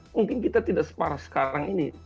mungkin kita tidak separah sekarang ini